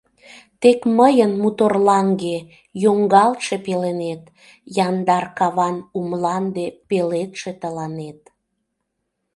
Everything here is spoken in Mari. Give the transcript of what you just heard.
Тек мыйын муторлаҥге Йоҥгалтше пеленет, Яндар каван у мланде Пеледше тыланет.